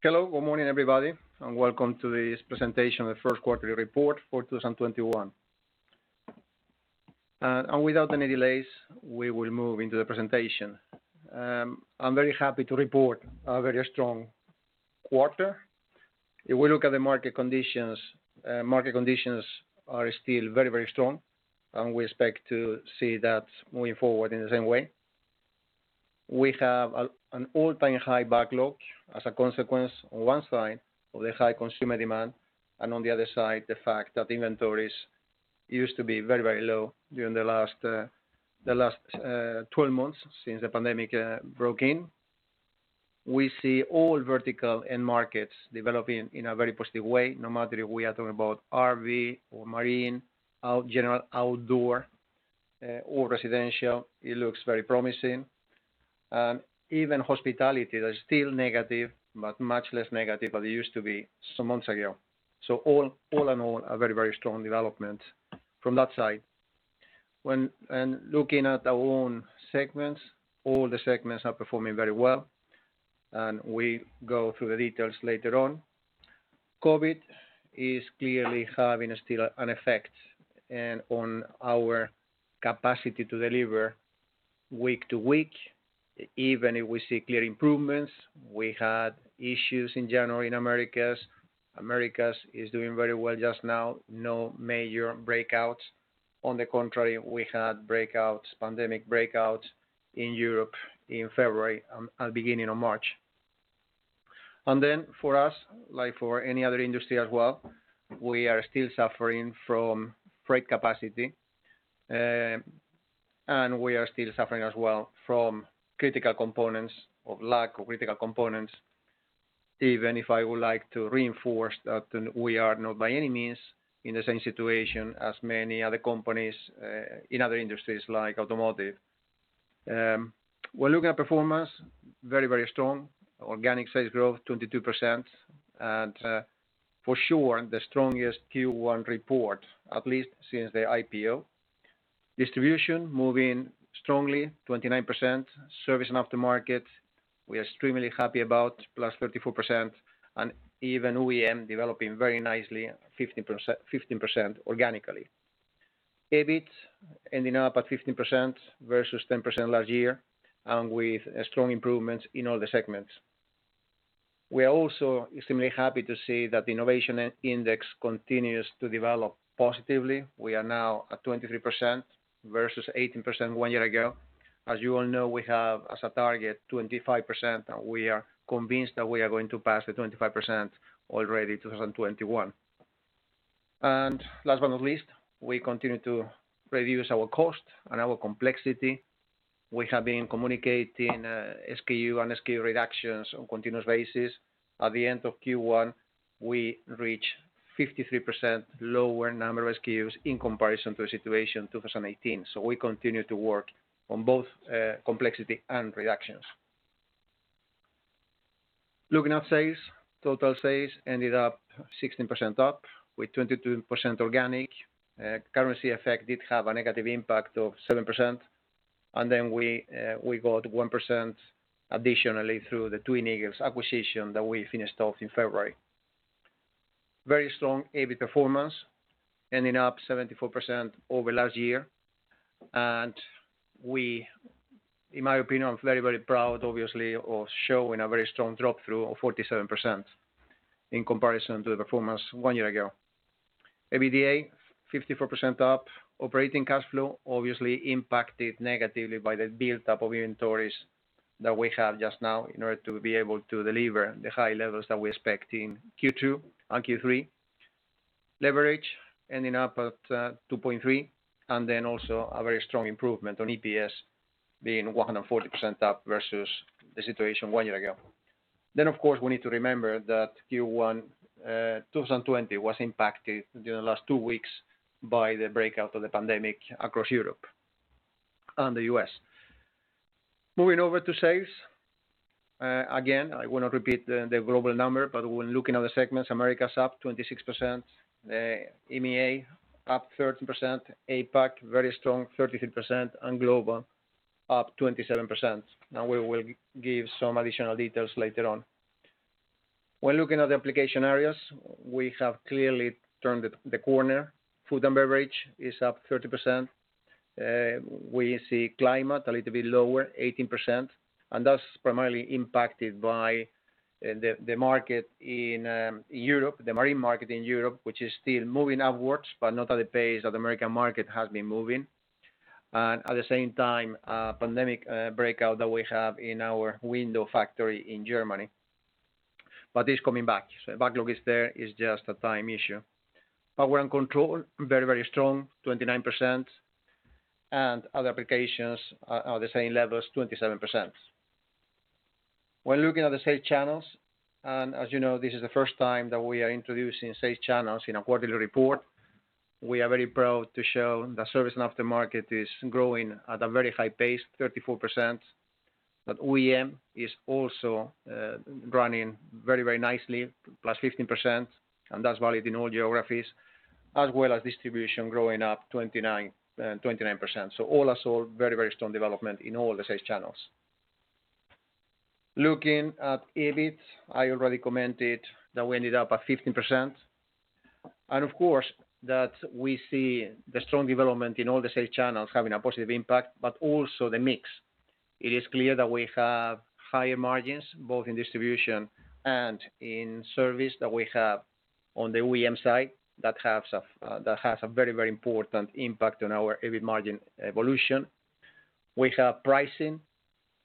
Hello. Good morning, everybody, and welcome to this presentation of the first quarterly report for 2021. Without any delays, we will move into the presentation. I'm very happy to report a very strong quarter. If we look at the market conditions, market conditions are still very strong, and we expect to see that moving forward in the same way. We have an all-time high backlog as a consequence on one side of the high consumer demand, and on the other side, the fact that inventories used to be very low during the last 12 months since the pandemic broke in. We see all vertical end markets developing in a very positive way, no matter if we are talking about RV or marine, general outdoor, or residential, it looks very promising. Even hospitality, that's still negative, but much less negative than it used to be some months ago. All in all, a very strong development from that side. When looking at our own segments, all the segments are performing very well, and we go through the details later on. COVID is clearly having still an effect and on our capacity to deliver week to week, even if we see clear improvements. We had issues in January in Americas. Americas is doing very well just now, no major breakouts. On the contrary, we had pandemic breakouts in Europe in February and beginning of March. Then for us, like for any other industry as well, we are still suffering from freight capacity, and we are still suffering as well from critical components or lack of critical components, even if I would like to reinforce that we are not by any means in the same situation as many other companies in other industries like automotive. When looking at performance, very strong. Organic sales growth, 22%, and for sure the strongest Q1 report, at least since the IPO. Distribution moving strongly, 29%. Service and aftermarket, we are extremely happy about, plus 34%, and even OEM developing very nicely, 15% organically. EBIT ending up at 15% versus 10% last year, with strong improvements in all the segments. We are also extremely happy to see that the innovation index continues to develop positively. We are now at 23% versus 18% one year ago. As you all know, we have as a target 25%, we are convinced that we are going to pass the 25% already 2021. Last but not least, we continue to reduce our cost and our complexity. We have been communicating SKU and SKU reductions on continuous basis. At the end of Q1, we reach 53% lower number of SKUs in comparison to the situation 2018. We continue to work on both complexity and reductions. Looking at sales, total sales ended up 16% up with 22% organic. Currency effect did have a negative impact of 7%. We got 1% additionally through the Twin Eagles acquisition that we finished off in February. Very strong EBIT performance, ending up 74% over last year. In my opinion, I'm very proud obviously of showing a very strong drop-through of 47% in comparison to the performance one year ago. EBITDA 54% up. Operating cash flow obviously impacted negatively by the build-up of inventories that we have just now in order to be able to deliver the high levels that we expect in Q2 and Q3. Leverage ending up at 2.3, then also a very strong improvement on EPS being 140% up versus the situation one year ago. Of course, we need to remember that Q1 2020 was impacted during the last two weeks by the breakout of the pandemic across Europe and the U.S. Moving over to sales. Again, I will not repeat the global number, when looking at the segments, Americas up 26%, EMEA up 13%, APAC, very strong, 33%, and global up 27%. We will give some additional details later on. When looking at the application areas, we have clearly turned the corner. Food and beverage is up 30%. We see climate a little bit lower, 18%, and that's primarily impacted by the market in Europe, the marine market in Europe, which is still moving upwards, but not at the pace that the American market has been moving. At the same time, a pandemic breakout that we have in our window factory in Germany, but it's coming back. The backlog is there, it's just a time issue. Power and control, very strong, 29%, and other applications are the same levels, 27%. When looking at the sales channels, as you know, this is the first time that we are introducing sales channels in a quarterly report. We are very proud to show that service and aftermarket is growing at a very high pace, 34%. OEM is also running very nicely, plus 15%, and that's valid in all geographies. As well as distribution growing up 29%. All are showing very strong development in all the sales channels. Looking at EBIT, I already commented that we ended up at 15%, and of course, that we see the strong development in all the sales channels having a positive impact, but also the mix. It is clear that we have higher margins, both in distribution and in service that we have on the OEM side that has a very important impact on our EBIT margin evolution. We have pricing.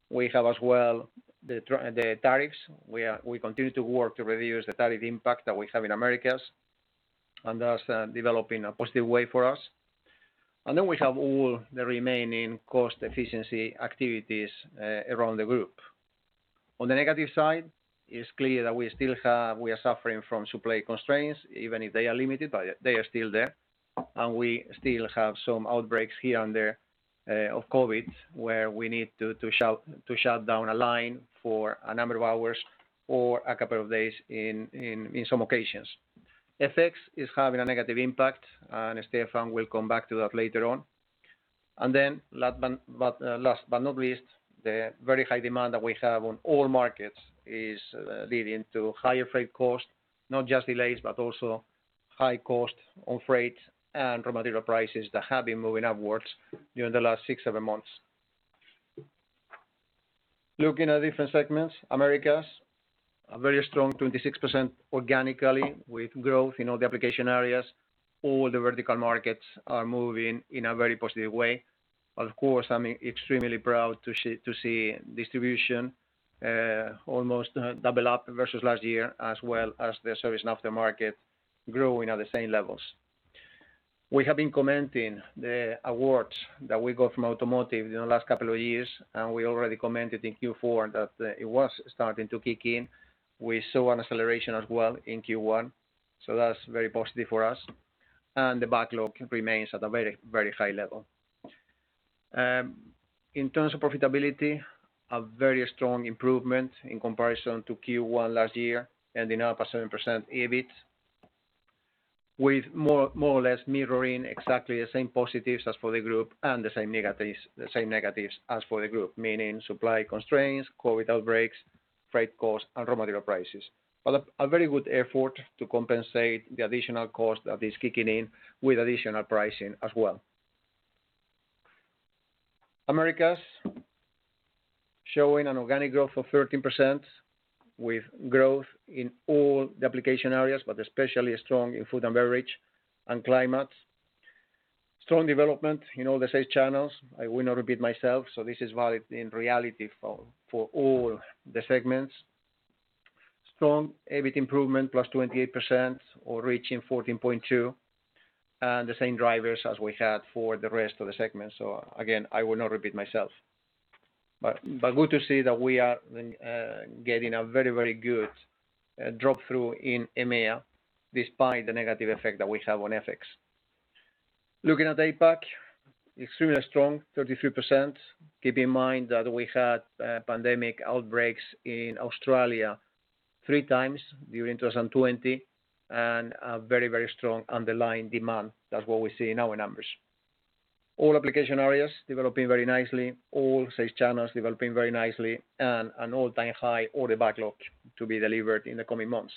We have as well the tariffs. We continue to work to reduce the tariff impact that we have in Americas, and that's developing a positive way for us. We have all the remaining cost efficiency activities around the group. On the negative side, it's clear that we are suffering from supply constraints, even if they are limited, but they are still there, and we still have some outbreaks here and there of COVID, where we need to shut down a line for a number of hours or a couple of days in some occasions. FX is having a negative impact, and Stefan will come back to that later on. Last but not least, the very high demand that we have on all markets is leading to higher freight cost, not just delays, but also high cost on freight and raw material prices that have been moving upwards during the last six, seven months. Looking at different segments, Americas, a very strong 26% organically with growth in all the application areas. All the vertical markets are moving in a very positive way. Of course, I'm extremely proud to see distribution almost double up versus last year, as well as the service and aftermarket growing at the same levels. We have been commenting the awards that we got from automotive in the last couple of years, and we already commented in Q4 that it was starting to kick in. We saw an acceleration as well in Q1, so that's very positive for us. The backlog remains at a very high level. In terms of profitability, a very strong improvement in comparison to Q1 last year, ending up at 7% EBIT, with more or less mirroring exactly the same positives as for the group and the same negatives as for the group, meaning supply constraints, COVID outbreaks, freight costs, and raw material prices. A very good effort to compensate the additional cost that is kicking in with additional pricing as well. Americas showing an organic growth of 13% with growth in all the application areas, but especially strong in food and beverage and climate. Strong development in all the sales channels. I will not repeat myself, so this is valid in reality for all the segments. Strong EBIT improvement, plus 28% or reaching 14.2%. The same drivers as we had for the rest of the segment. Again, I will not repeat myself. Good to see that we are getting a very good drop-through in EMEA despite the negative effect that we have on FX. Looking at APAC, extremely strong, 33%. Keep in mind that we had pandemic outbreaks in Australia three times during 2020 and a very strong underlying demand. That's what we see in our numbers. All application areas developing very nicely, all sales channels developing very nicely, and an all-time high order backlog to be delivered in the coming months.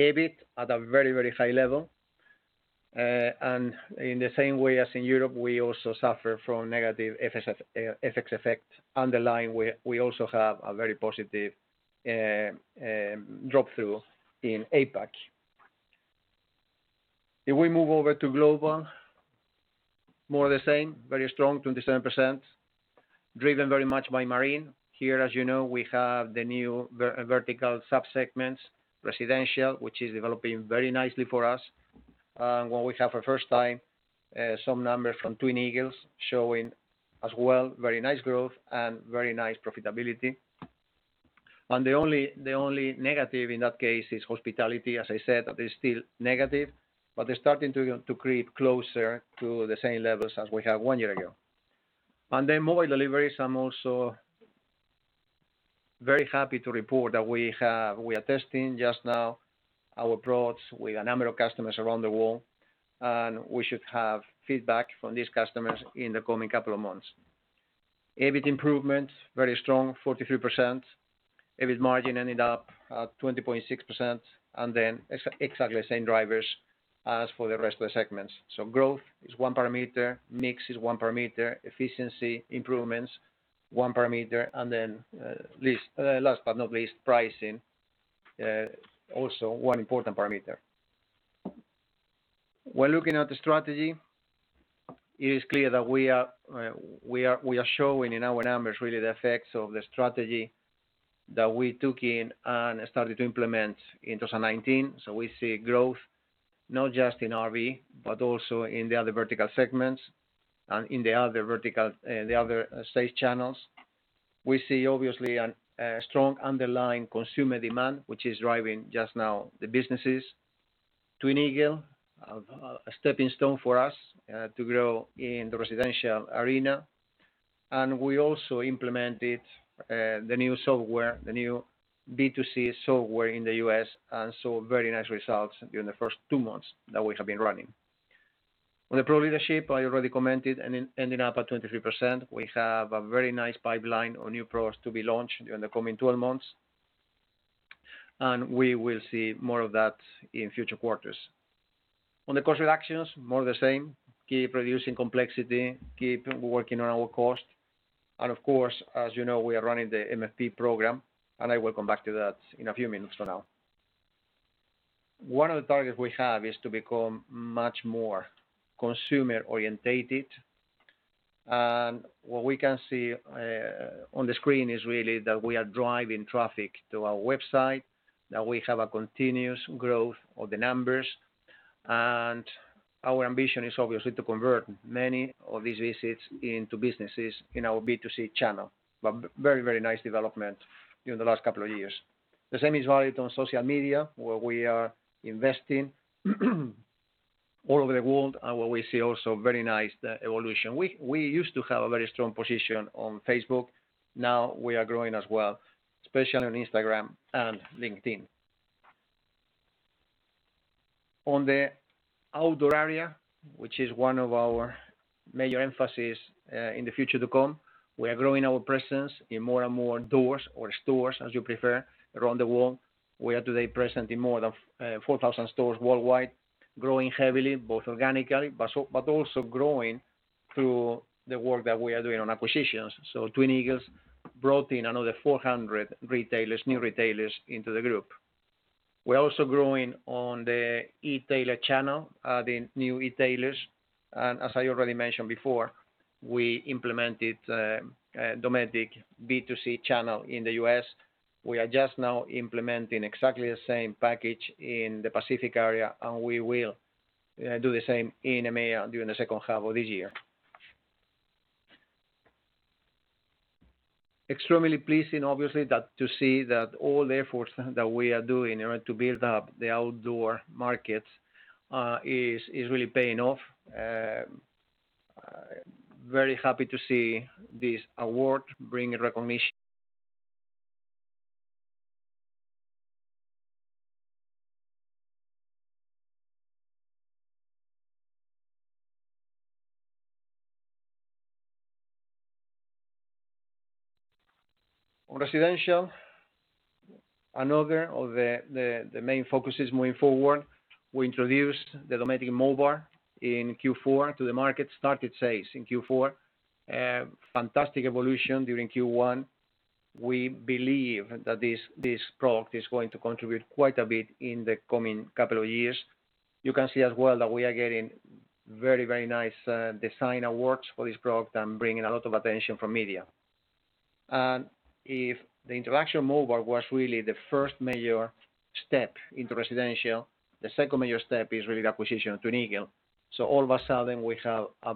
EBIT at a very high level. In the same way as in Europe, we also suffer from negative FX effect underlying, we also have a very positive drop-through in APAC. If we move over to Global, more of the same, very strong, 27%, driven very much by Marine. Here, as you know, we have the new vertical sub-segments, residential, which is developing very nicely for us, and we have for the first time, some numbers from Twin Eagles showing as well, very nice growth and very nice profitability. The only negative in that case is hospitality, as I said, that is still negative, but they're starting to creep closer to the same levels as we had one year ago. Mobile deliveries, I'm also very happy to report that we are testing just now our products with a number of customers around the world, and we should have feedback from these customers in the coming couple of months. EBIT improvement, very strong, 43%. EBIT margin ended up at 20.6%. Exactly the same drivers as for the rest of the segments. Growth is one parameter, mix is one parameter, efficiency improvements, one parameter. Last but not least, pricing, also one important parameter. When looking at the strategy, it is clear that we are showing in our numbers really the effects of the strategy that we took in and started to implement in 2019. We see growth not just in RV, but also in the other vertical segments and in the other sales channels. We see, obviously, a strong underlying consumer demand, which is driving just now the businesses. Twin Eagles, a stepping stone for us to grow in the residential arena. We also implemented the new B2C software in the U.S. and saw very nice results during the first two months that we have been running. On the product leadership, I already commented, ending up at 23%. We have a very nice pipeline of new products to be launched during the coming 12 months. We will see more of that in future quarters. On the cost reductions, more of the same, keep reducing complexity, keep working on our cost. Of course, as you know, we are running the Money Follows the Person program, and I will come back to that in a few minutes from now. One of the targets we have is to become much more consumer-orientated. What we can see on the screen is really that we are driving traffic to our website, that we have a continuous growth of the numbers. Our ambition is obviously to convert many of these visits into businesses in our B2C channel. Very nice development during the last couple of years. The same is valid on social media, where we are investing all over the world, and where we see also very nice evolution. We used to have a very strong position on Facebook. Now we are growing as well, especially on Instagram and LinkedIn. On the outdoor area, which is one of our major emphasis in the future to come, we are growing our presence in more and more doors or stores, as you prefer, around the world. We are today present in more than 4,000 stores worldwide, growing heavily, both organically, but also growing through the work that we are doing on acquisitions. Twin Eagles brought in another 400 new retailers into the group. We're also growing on the e-tailer channel, adding new e-tailers. As I already mentioned before, we implemented Dometic B2C channel in the U.S. We are just now implementing exactly the same package in the Pacific area, and we will do the same in EMEA during the second half of this year. Extremely pleasing, obviously, to see that all the efforts that we are doing in order to build up the outdoor markets is really paying off. Very happy to see this award bring recognition. On residential, another of the main focuses moving forward, we introduced the Dometic MoBar in Q4 to the market, started sales in Q4. Fantastic evolution during Q1. We believe that this product is going to contribute quite a bit in the coming couple of years. You can see as well that we are getting very nice design awards for this product and bringing a lot of attention from media. If the MoBar was really the first major step into residential, the second major step is really the acquisition of Twin Eagles. All of a sudden, we have a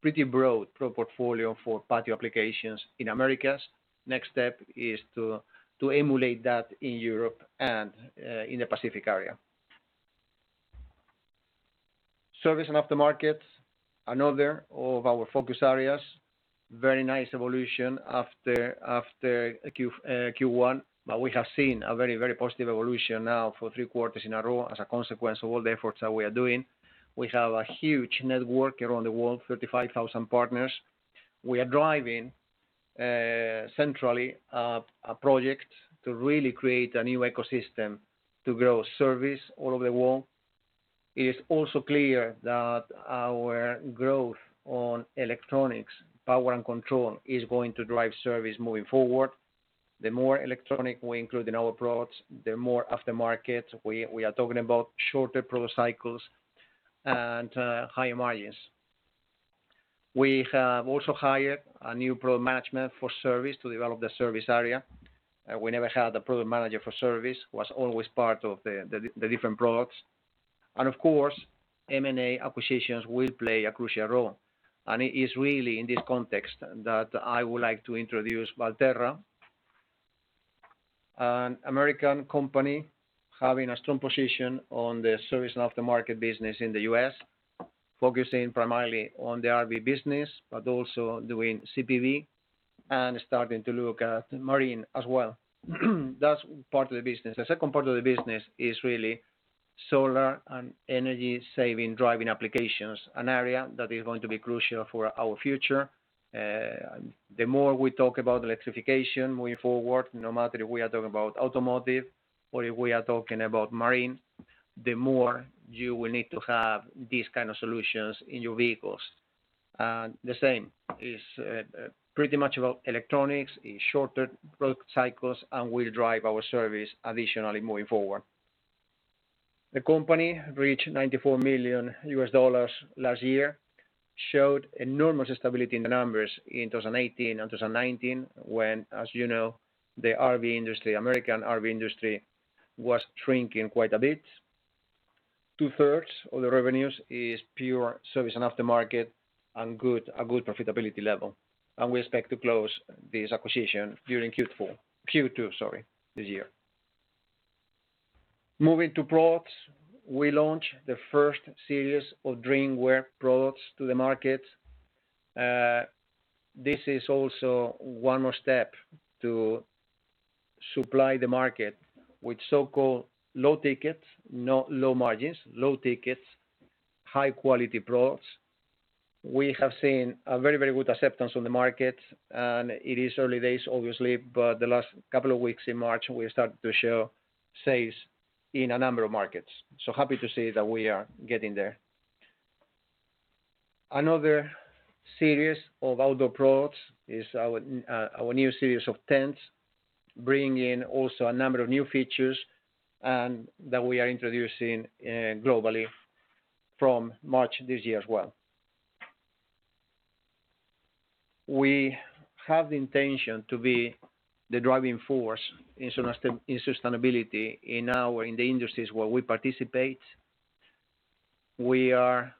pretty broad product portfolio for patio applications in Americas. Next step is to emulate that in Europe and in the Pacific area. Service and aftermarket, another of our focus areas. Very nice evolution after Q1, but we have seen a very positive evolution now for three quarters in a row as a consequence of all the efforts that we are doing. We have a huge network around the world, 35,000 partners. We are driving centrally a project to really create a new ecosystem to grow service all over the world. It is also clear that our growth on electronics, power and control is going to drive service moving forward. The more electronic we include in our products, the more aftermarket. We are talking about shorter product cycles and higher margins. We have also hired a new product management for service to develop the service area. We never had a product manager for service, was always part of the different products. Of course, M&A acquisitions will play a crucial role. It is really in this context that I would like to introduce Valterra, an American company having a strong position on the service and aftermarket business in the U.S., focusing primarily on the RV business, but also doing CPV and starting to look at marine as well. That's part of the business. The second part of the business is really solar and energy-saving driving applications, an area that is going to be crucial for our future. The more we talk about electrification moving forward, no matter if we are talking about automotive or if we are talking about marine, the more you will need to have these kind of solutions in your vehicles. The same is pretty much about electronics, shorter product cycles, and will drive our service additionally moving forward. The company reached $94 million last year, showed enormous stability in the numbers in 2018 and 2019, when, as you know, the American RV industry was shrinking quite a bit. Two-thirds of the revenues is pure service and aftermarket and a good profitability level. We expect to close this acquisition during Q2 this year. Moving to products, we launched the first series of drinkware products to the market. This is also one more step to supply the market with so-called low tickets, not low margins. Low tickets, high-quality products. We have seen a very good acceptance on the market. It is early days, obviously, but the last couple of weeks in March, we started to show sales in a number of markets. Happy to see that we are getting there. Another series of outdoor products is our new series of tents, bringing in also a number of new features, and that we are introducing globally from March this year as well. We have the intention to be the driving force in sustainability in the industries where we participate. We are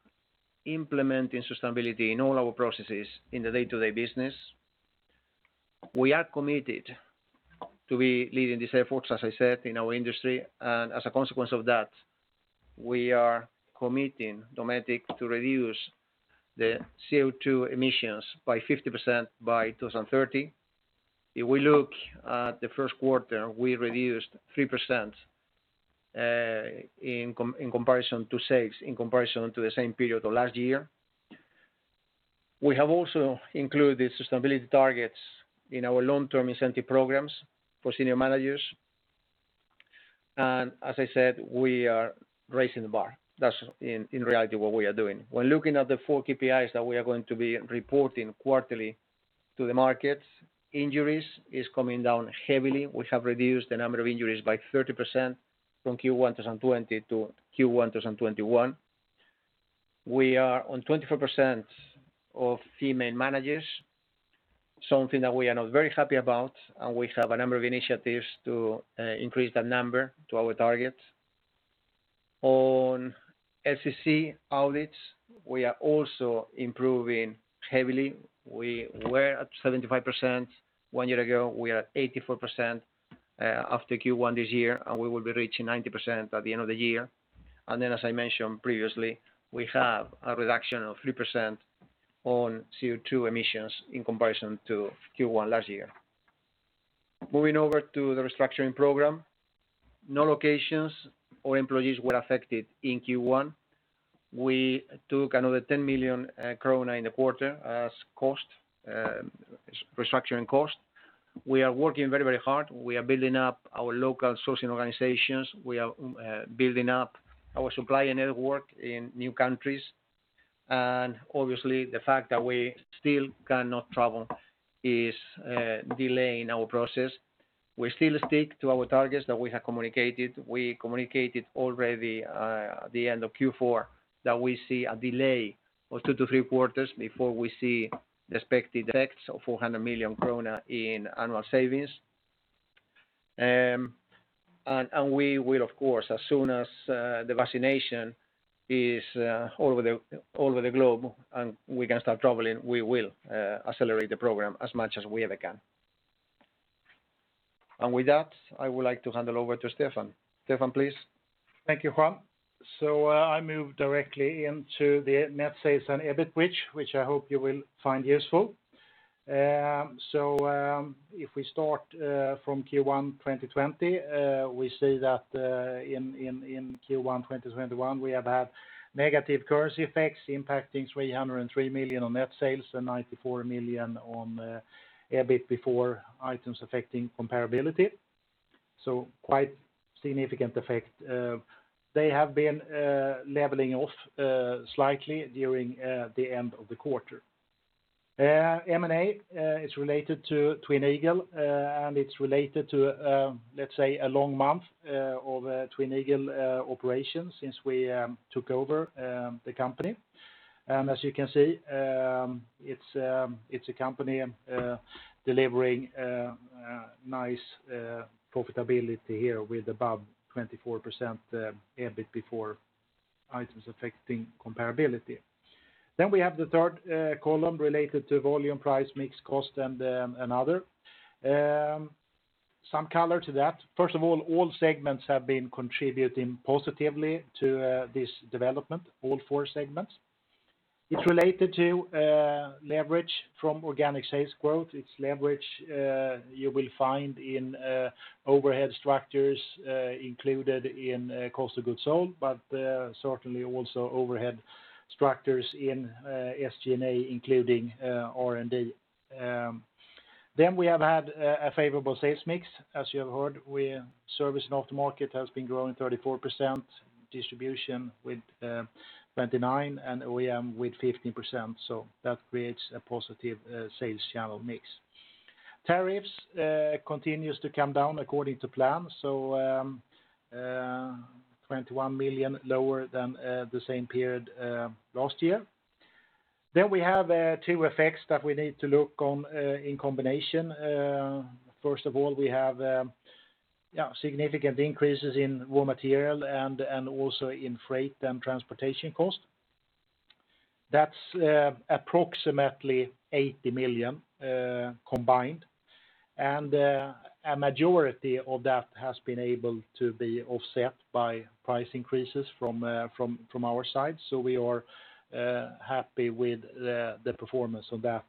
implementing sustainability in all our processes in the day-to-day business. We are committed to be leading this effort, as I said, in our industry. As a consequence of that, we are committing Dometic to reduce the CO2 emissions by 50% by 2030. If we look at the first quarter, we reduced 3% in comparison to sales in comparison to the same period of last year. We have also included sustainability targets in our long-term incentive programs for senior managers. As I said, we are raising the bar. That's in reality what we are doing. When looking at the four KPIs that we are going to be reporting quarterly to the markets, injuries is coming down heavily. We have reduced the number of injuries by 30% from Q1 2020 to Q1 2021. We are on 24% of female managers, something that we are not very happy about. We have a number of initiatives to increase that number to our target. On SEC audits, we are also improving heavily. We were at 75% one year ago. We are at 84% after Q1 this year. We will be reaching 90% at the end of the year. As I mentioned previously, we have a reduction of 3% on CO2 emissions in comparison to Q1 last year. Moving over to the restructuring program, no locations or employees were affected in Q1. We took another 10 million krona in the quarter as restructuring cost. We are working very hard. We are building up our local sourcing organizations. We are building up our supplier network in new countries. Obviously, the fact that we still cannot travel is delaying our process. We still stick to our targets that we have communicated. We communicated already at the end of Q4 that we see a delay of two to three quarters before we see the expected effects of 400 million krona in annual savings. We will, of course, as soon as the vaccination is all over the globe, and we can start traveling, we will accelerate the program as much as we can. With that, I would like to hand it over to Stefan. Stefan, please. Thank you, Juan. I move directly into the net sales and EBIT bridge, which I hope you will find useful. If we start from Q1 2020, we see that in Q1 2021, we have had negative currency effects impacting 303 million on net sales and 94 million on EBIT before items affecting comparability. Quite a significant effect. They have been leveling off slightly during the end of the quarter. M&A is related to Twin Eagles, and it's related to, let's say, a long month of Twin Eagles operations since we took over the company. As you can see, it's a company delivering nice profitability here with above 24% EBIT before items affecting comparability. We have the third column related to volume, price, mix, cost, and other. Some color to that. First of all segments have been contributing positively to this development, all four segments. It's related to leverage from organic sales growth. It's leverage you will find in overhead structures included in cost of goods sold, but certainly also overhead structures in SG&A, including R&D. We have had a favorable sales mix. As you have heard, service and aftermarket has been growing 34%, distribution with 29%, and OEM with 15%. That creates a positive sales channel mix. Tariffs continues to come down according to plan, 21 million lower than the same period last year. We have two effects that we need to look at in combination. First of all, we have significant increases in raw material and also in freight and transportation cost. That's approximately SEK 80 million combined. A majority of that has been able to be offset by price increases from our side. We are happy with the performance of that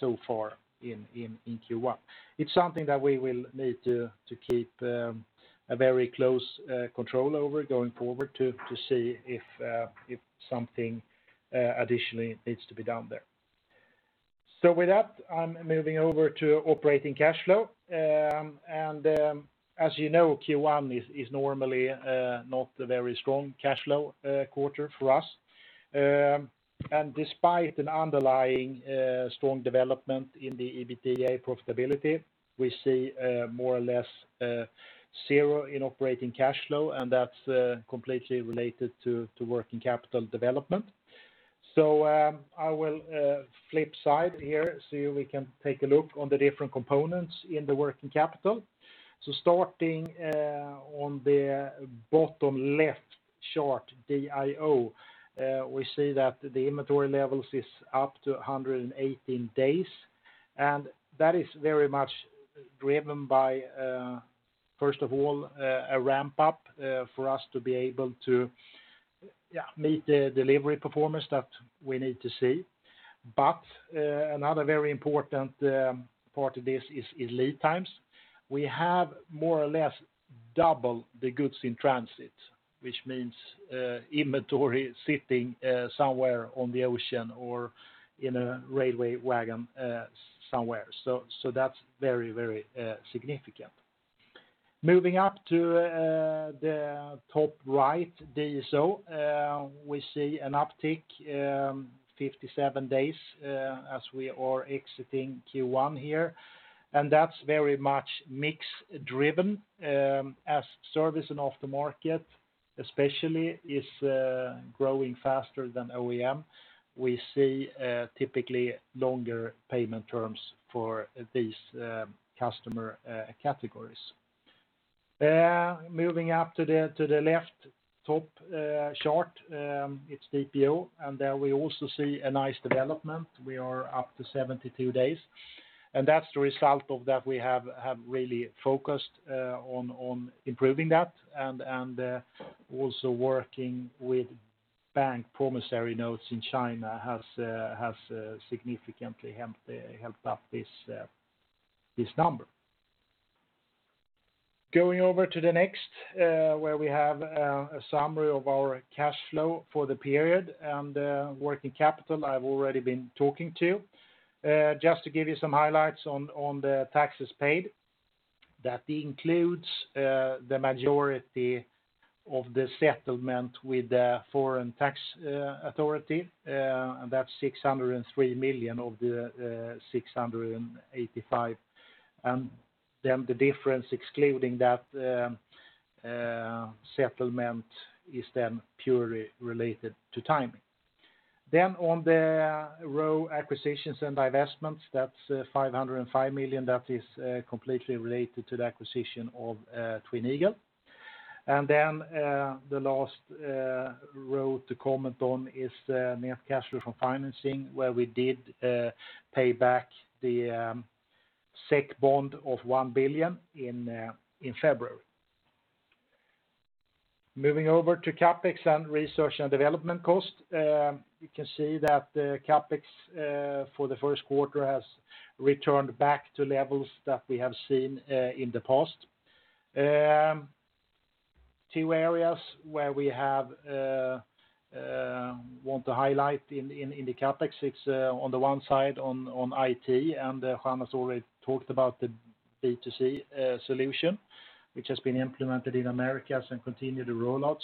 so far in Q1. It's something that we will need to keep a very close control over going forward to see if something additionally needs to be done there. With that, I'm moving over to operating cash flow. As you know, Q1 is normally not a very strong cash flow quarter for us. Despite an underlying strong development in the EBITDA profitability, we see more or less zero in operating cash flow, and that's completely related to working capital development. I will flip side here so we can take a look on the different components in the working capital. Starting on the bottom left chart, DIO, we see that the inventory levels is up to 118 days, and that is very much driven by first of all, a ramp-up for us to be able to meet the delivery performance that we need to see. Another very important part of this is lead times. We have more or less double the goods in transit, which means inventory sitting somewhere on the ocean or in a railway wagon somewhere. That's very significant. Moving up to the top right, DSO, we see an uptick, 57 days as we are exiting Q1 here. That's very much mix driven as service and off the market especially is growing faster than OEM. We see typically longer payment terms for these customer categories. Moving up to the left top chart, it's DPO, there we also see a nice development. We are up to 72 days. That's the result of that we have really focused on improving that, and also working with bank promissory notes in China has significantly helped up this number. Going over to the next, where we have a summary of our cash flow for the period and working capital I've already been talking to. To give you some highlights on the taxes paid. That includes the majority of the settlement with the foreign tax authority, that's 603 million of the 685. The difference excluding that settlement is then purely related to timing. On the row acquisitions and divestments, that's 505 million. That is completely related to the acquisition of Twin Eagles. The last row to comment on is net cash flow from financing, where we did pay back the SEK bond of 1 billion in February. Moving over to CapEx and R&D cost. You can see that the CapEx for the first quarter has returned back to levels that we have seen in the past. Two areas where we want to highlight in the CapEx, it's on the one side on IT. Juan has already talked about the B2C solution, which has been implemented in Americas and continue to roll out.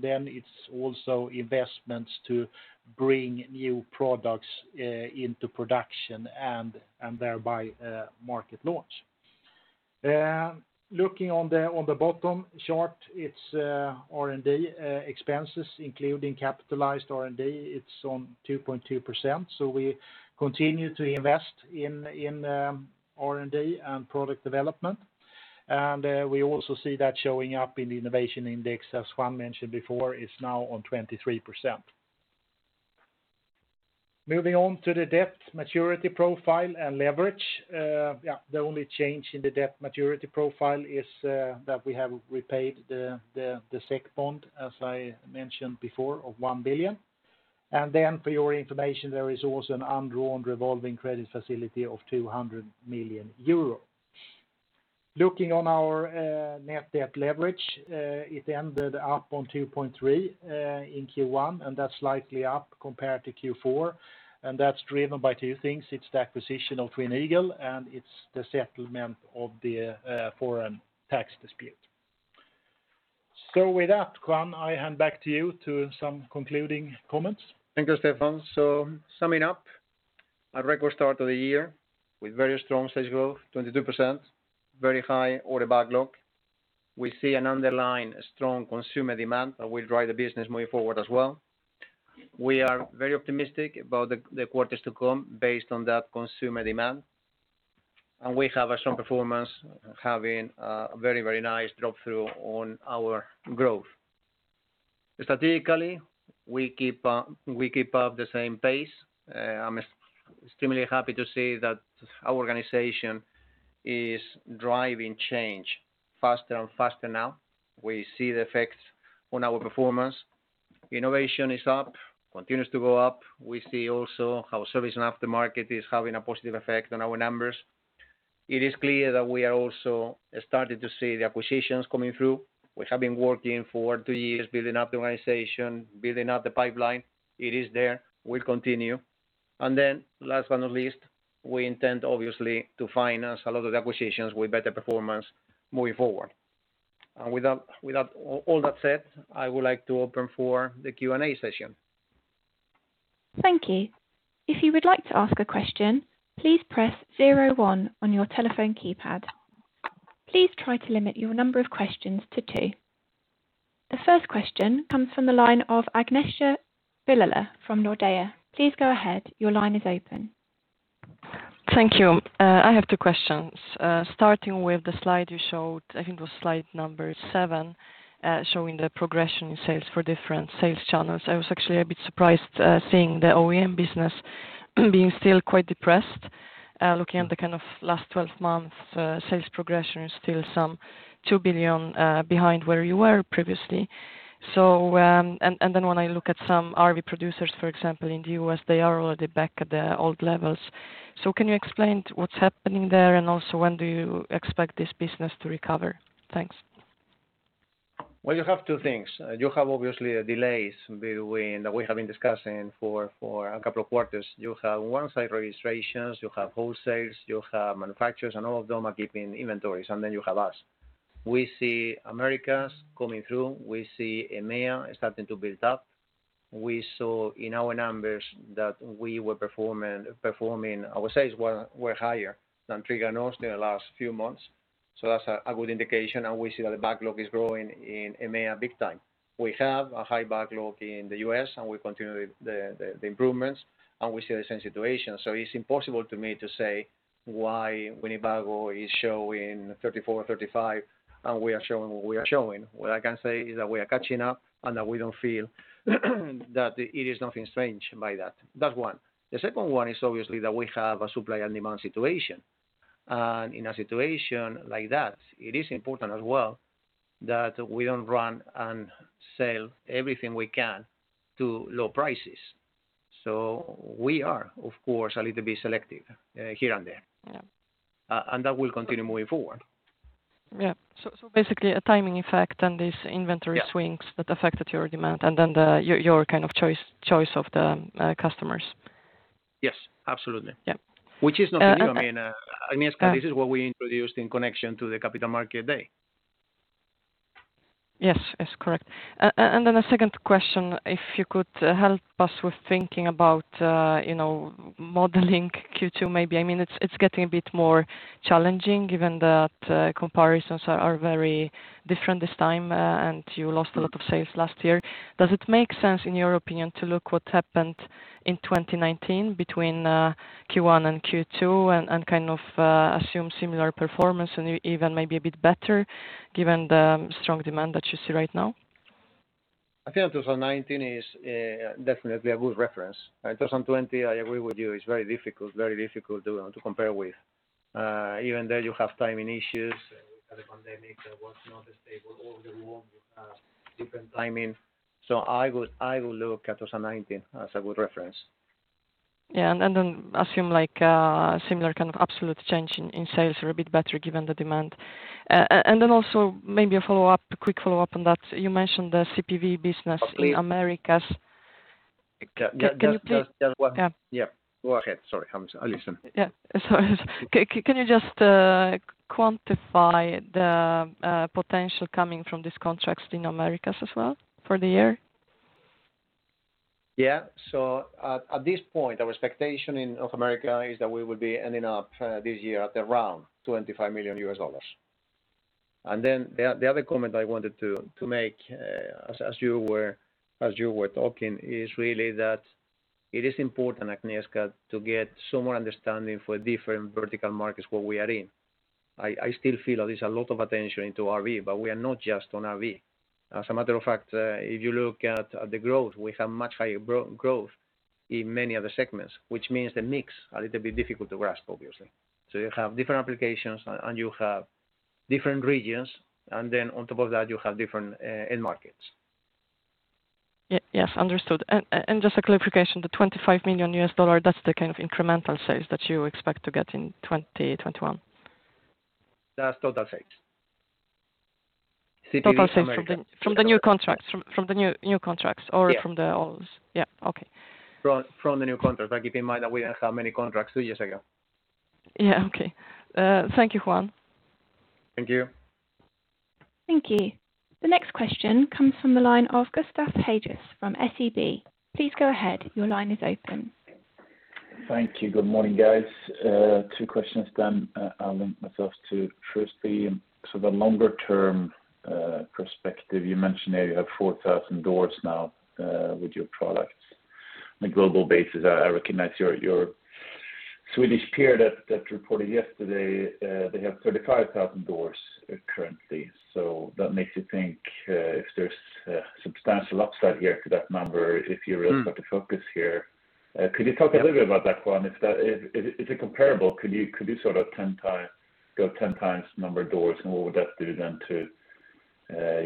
Then it's also investments to bring new products into production and thereby market launch. Looking on the bottom chart, it's R&D expenses, including capitalized R&D. It's on 2.2%. We continue to invest in R&D and product development. We also see that showing up in the innovation index, as Juan mentioned before, is now on 23%. Moving on to the debt maturity profile and leverage. The only change in the debt maturity profile is that we have repaid the SEK bond, as I mentioned before, of 1 billion. Then for your information, there is also an undrawn revolving credit facility of 200 million euros. Looking on our net debt leverage, it ended up on 2.3 in Q1, and that's slightly up compared to Q4. That's driven by two things. It's the acquisition of Twin Eagles, and it's the settlement of the foreign tax dispute. With that, Juan, I hand back to you to some concluding comments. Thank you, Stefan. Summing up, a record start of the year with very strong sales growth, 22%, very high order backlog. We see an underlying strong consumer demand that will drive the business moving forward as well. We are very optimistic about the quarters to come based on that consumer demand. We have a strong performance having a very, very nice drop-through on our growth. Strategically, we keep up the same pace. I am extremely happy to see that our organization is driving change faster and faster now. We see the effects on our performance. Innovation is up, continues to go up. We see also how service and aftermarket is having a positive effect on our numbers. It is clear that we are also starting to see the acquisitions coming through, which have been working for two years, building up the organization, building up the pipeline. It is there. We continue. Last but not least, we intend obviously to finance a lot of the acquisitions with better performance moving forward. With all that said, I would like to open for the Q&A session. Thank you. If you would like to ask a question, please press 01 on your telephone keypad. Please try to limit your number of questions to two. The first question comes from the line of Agnieszka Vilela from Nordea. Please go ahead. Thank you. I have two questions. Starting with the slide you showed, I think it was slide number seven, showing the progression in sales for different sales channels. I was actually a bit surprised seeing the OEM business being still quite depressed. Looking at the last 12 months, sales progression is still some 2 billion behind where you were previously. When I look at some RV producers, for example, in the U.S., they are already back at their old levels. Can you explain what's happening there, and also when do you expect this business to recover? Thanks. Well, you have two things. You have, obviously, delays that we have been discussing for a couple of quarters. You have on-site registrations, you have wholesales, you have manufacturers, and all of them are keeping inventories. Then you have us. We see Americas coming through. We see EMEA starting to build up. We saw in our numbers that our sales were higher than Trigano's in the last few months. That's a good indication, and we see that the backlog is growing in EMEA big time. We have a high backlog in the U.S., we continue the improvements, and we see the same situation. It's impossible to me to say why Winnebago is showing 34 or 35, and we are showing what we are showing. What I can say is that we are catching up and that we don't feel that it is nothing strange by that. That's one. The second one is obviously that we have a supply and demand situation. In a situation like that, it is important as well that we don't run and sell everything we can to low prices. We are, of course, a little bit selective here and there. Yeah. That will continue moving forward. Yeah. Basically, a timing effect and these inventory swings. Yeah that affected your demand and then your kind of choice of the customers. Yes, absolutely. Yeah. Which is nothing new. Agnieszka, this is what we introduced in connection to the Capital Market Day. Yes. Correct. A second question, if you could help us with thinking about modeling Q2, maybe. It's getting a bit more challenging given that comparisons are very different this time, and you lost a lot of sales last year. Does it make sense, in your opinion, to look what happened in 2019 between Q1 and Q2 and kind of assume similar performance and even maybe a bit better given the strong demand that you see right now? I think 2019 is definitely a good reference. 2020, I agree with you, is very difficult to compare with. Even there you have timing issues. We had a pandemic that was not stable all the year long. We have different timing. I will look at 2019 as a good reference. Yeah. Then assume a similar kind of absolute change in sales or a bit better given the demand. Then also maybe a quick follow-up on that. You mentioned the CPV business in Americas. Okay. Can you please- That one. Yeah. Yeah. Okay. Sorry, Agnieszka. I listen. Yeah. Can you just quantify the potential coming from these contracts in Americas as well for the year? At this point, our expectation of America is that we will be ending up this year at around $25 million. The other comment I wanted to make as you were talking is really that it is important, Agnieszka, to get some more understanding for different vertical markets where we are in. I still feel there's a lot of attention into RV, but we are not just on RV. As a matter of fact, if you look at the growth, we have much higher growth in many other segments, which means the mix a little bit difficult to grasp, obviously. You have different applications and you have different regions. On top of that, you have different end markets. Yes. Understood. Just a clarification, the $25 million, that's the kind of incremental sales that you expect to get in 2021? That's total sales. CPV Americas. Total sales from the new contracts or from the old? Yeah. Yeah. Okay. From the new contracts. Keep in mind that we didn't have many contracts two years ago. Yeah. Okay. Thank you, Juan. Thank you. Thank you. The next question comes from the line of Gustav Hageus from SEB. Please go ahead. Thank you. Good morning, guys. Two questions. I'll link myself to Chris. The sort of longer-term perspective, you mentioned there you have 4,000 doors now with your products. On a global basis, I recognize your Swedish peer that reported yesterday, they have 35,000 doors currently. That makes you think if there's substantial upside here to that number, if you really put the focus here. Could you talk a little bit about that, Juan? Is it comparable? Could you go 10 times number of doors, and what would that do then to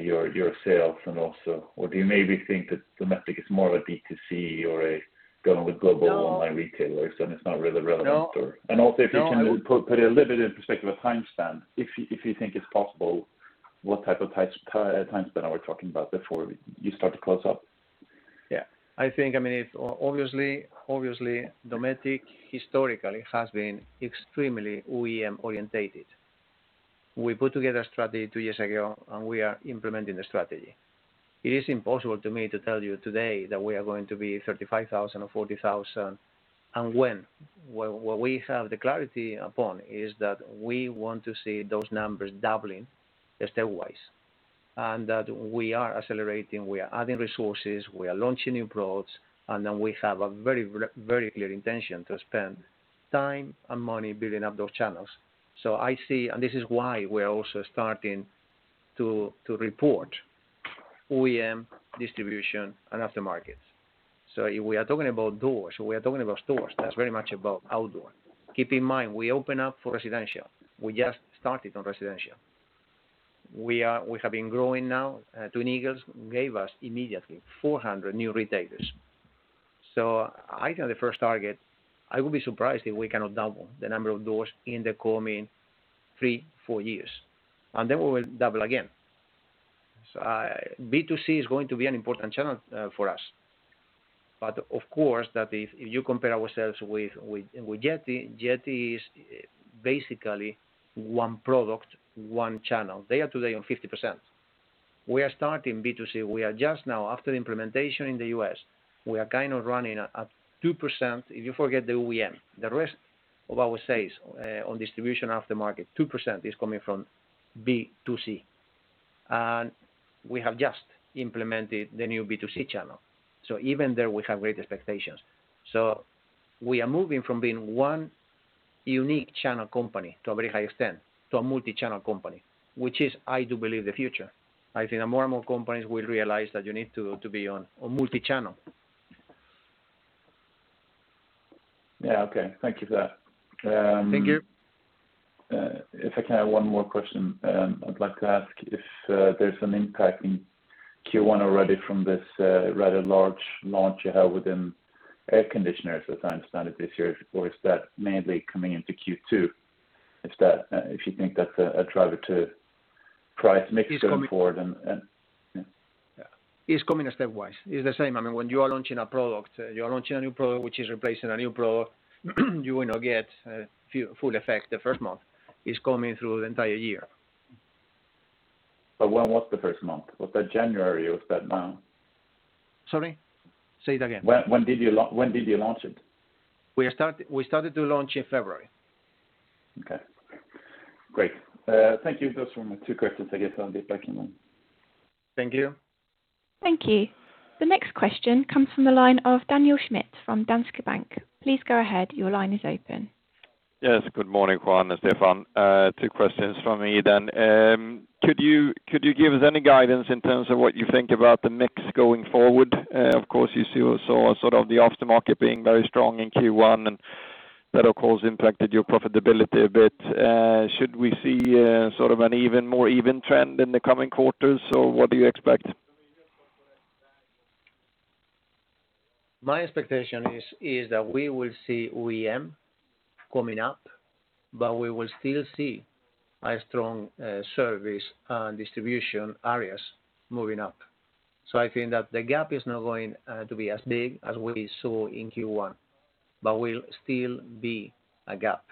your sales? Do you maybe think that Dometic is more of a B2C or a going with global online retailers, and it's not really relevant? No. Also, if you can put a little bit in perspective, a time span, if you think it's possible, what type of time span are we talking about before you start to close up? Yeah. I think, obviously, Dometic historically has been extremely OEM-oriented. We put together a strategy two years ago, and we are implementing the strategy. It is impossible to me to tell you today that we are going to be 35,000 or 40,000, and when. What we have the clarity upon is that we want to see those numbers doubling stepwise, and that we are accelerating, we are adding resources, we are launching new products, and then we have a very clear intention to spend time and money building up those channels. I see, and this is why we're also starting to report OEM distribution and aftermarket. If we are talking about doors, we are talking about stores, that's very much about outdoor. Keep in mind, we opened up for residential. We just started on residential. We have been growing now. Twin Eagles gave us immediately 400 new retailers. I think the first target, I will be surprised if we cannot double the number of doors in the coming three, four years. Then we will double again. B2C is going to be an important channel for us. Of course, that if you compare ourselves with Yeti is basically one product, one channel. They are today on 50%. We are starting B2C. We are just now, after the implementation in the U.S., we are kind of running at 2%, if you forget the OEM, the rest of our sales on distribution aftermarket, 2% is coming from B2C. We have just implemented the new B2C channel. Even there, we have great expectations. We are moving from being one unique channel company to a very high extent, to a multi-channel company, which is, I do believe, the future. I think that more and more companies will realize that you need to be on multi-channel. Yeah. Okay. Thank you for that. Thank you. If I can have one more question, I'd like to ask if there's an impact in Q1 already from this rather large launch you have within air conditioners, as I understand it, this year. Is that mainly coming into Q2, if you think that's a driver to price mix going forward? It's coming stepwise. It's the same. When you are launching a product, you are launching a new product, which is replacing a new product, you will not get full effect the first month. It's coming through the entire year. When was the first month? Was that January? Was that now? Sorry? Say it again. When did you launch it? We started to launch in February. Okay. Great. Thank you. Those were my two questions. I guess I'll be back in line. Thank you. Thank you. The next question comes from the line of Daniel Schmidt from Danske Bank. Please go ahead. Your line is open. Yes. Good morning, Juan and Stefan. Two questions from me. Could you give us any guidance in terms of what you think about the mix going forward? Of course, you still saw sort of the aftermarket being very strong in Q1, and that, of course, impacted your profitability a bit. Should we see sort of an even more even trend in the coming quarters, or what do you expect? My expectation is that we will see OEM coming up, but we will still see a strong service and distribution areas moving up. I think that the gap is not going to be as big as we saw in Q1, but will still be a gap,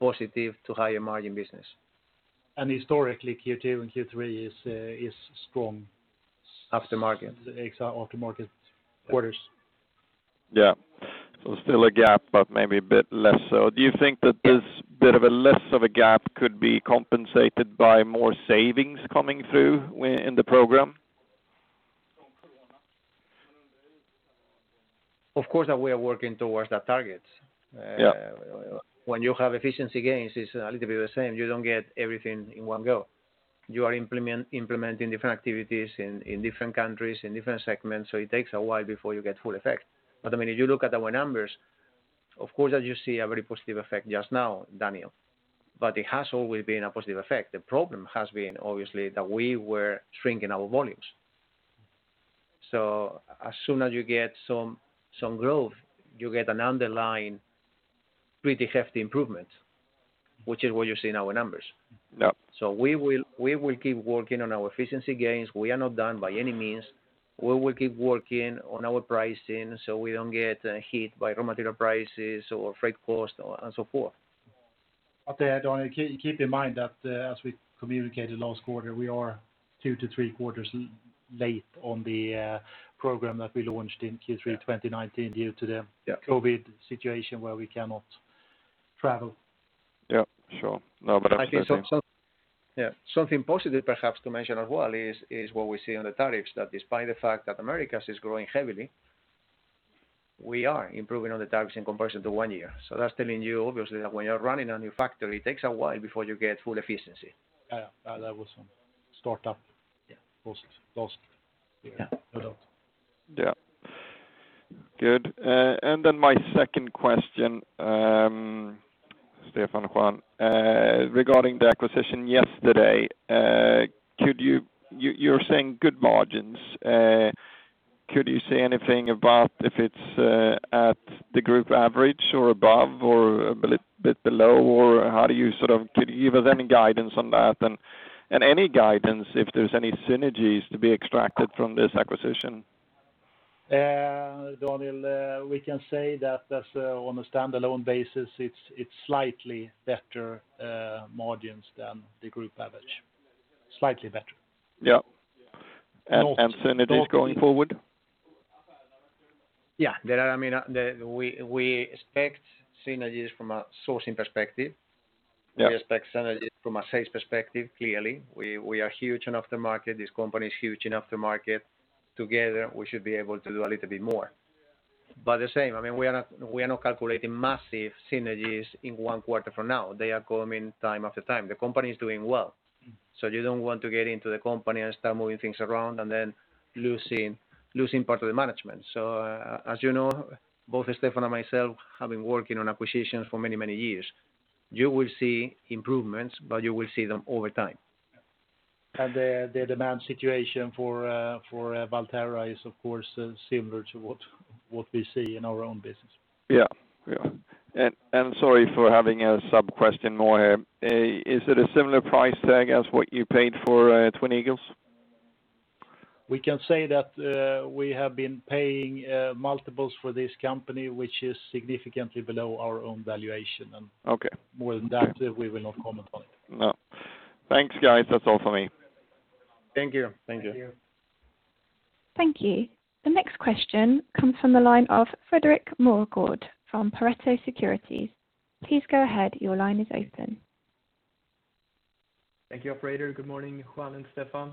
positive to higher margin business. Historically, Q2 and Q3 is strong. Aftermarket aftermarket quarters. Yeah. Still a gap, but maybe a bit less so. Do you think that this bit of a less of a gap could be compensated by more savings coming through in the program? Of course, that we are working towards that target. Yeah. When you have efficiency gains, it's a little bit the same. You don't get everything in one go. You are implementing different activities in different countries, in different segments, it takes a while before you get full effect. If you look at our numbers, of course that you see a very positive effect just now, Daniel, it has always been a positive effect. The problem has been obviously that we were shrinking our volumes. As soon as you get some growth, you get an underlying pretty hefty improvement, which is what you see in our numbers. Yeah. We will keep working on our efficiency gains. We are not done by any means. We will keep working on our pricing so we don't get hit by raw material prices or freight cost and so forth. Keep in mind that as we communicated last quarter, we are two to three quarters late on the program that we launched in Q3 2019 due to the. Yeah COVID situation where we cannot. Travel. Yeah, sure. No, but absolutely. I think something positive perhaps to mention as well is what we see on the tariffs, that despite the fact that Americas is growing heavily, we are improving on the tariffs in comparison to one year. That's telling you obviously that when you're running a new factory, it takes a while before you get full efficiency. Yeah. Last year. Yeah. Yeah. Good. Then my second question, Stefan, Juan, regarding the acquisition yesterday. You're saying good margins. Could you say anything about if it's at the group average or above or a bit below, or could you give us any guidance on that? Any guidance if there's any synergies to be extracted from this acquisition? Daniel, we can say that on a standalone basis, it's slightly better margins than the group average. Slightly better. Yeah. Synergies going forward? Yeah. We expect synergies from a sourcing perspective. Yeah. We expect synergies from a sales perspective, clearly. We are huge in aftermarket. This company is huge in aftermarket. Together, we should be able to do a little bit more. The same, we are not calculating massive synergies in one quarter from now. They are coming time after time. The company is doing well. You don't want to get into the company and start moving things around and then losing part of the management. As you know, both Stefan and myself have been working on acquisitions for many, many years. You will see improvements, but you will see them over time. The demand situation for Valterra is of course similar to what we see in our own business. Yeah. Sorry for having a sub-question more here. Is it a similar price tag as what you paid for Twin Eagles? We can say that we have been paying multiples for this company, which is significantly below our own valuation. Okay More than that, we will not comment on it. No. Thanks, guys. That's all for me. Thank you. Thank you. Thank you. The next question comes from the line of Fredrik Moregård from Pareto Securities. Please go ahead. Your line is open. Thank you, operator. Good morning, Juan and Stefan.